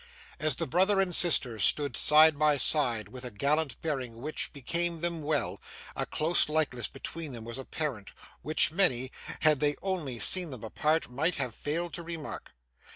As the brother and sister stood side by side, with a gallant bearing which became them well, a close likeness between them was apparent, which many, had they only seen them apart, might have failed to remark.